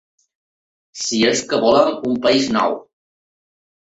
Si és que volem un país nou.